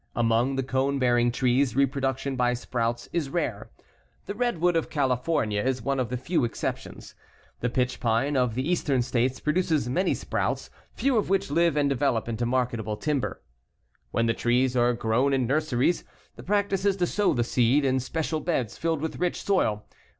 Among the cone bearing trees reproduction by sprouts is rare. The redwood of California is one of the few exceptions. The pitch pine of the Eastern States produces many sprouts, few of which live and develop into marketable timber. When trees are grown in nurseries, the practice is to sow the seed in special beds filled with rich soil.